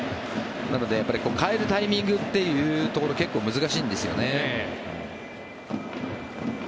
代えるタイミングっていうところ結構、難しいんですよね。